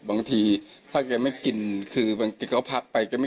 บางทีถ้าแกไม่กินคือบางทีเขาพักไปแกไม่